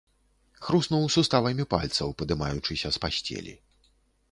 Хруснуў суставамі пальцаў, падымаючыся з пасцелі.